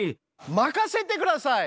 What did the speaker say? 任せてください！